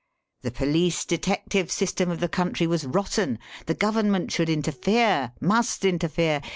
The police detective system of the country was rotten! The Government should interfere must interfere!